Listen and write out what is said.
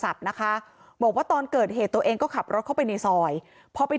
แต่แท็กซี่เขาก็บอกว่าแท็กซี่ควรจะถอยควรจะหลบหน่อยเพราะเก่งเทาเนี่ยเลยไปเต็มคันแล้ว